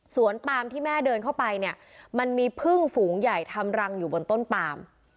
ปามที่แม่เดินเข้าไปเนี่ยมันมีพึ่งฝูงใหญ่ทำรังอยู่บนต้นปาม